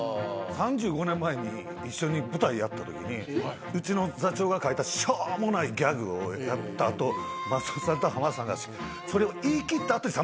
３５年前に一緒に舞台やった時にうちの座長が書いたしょうもないギャグをやった後松本さんと浜田さんがそれを言い切った後に。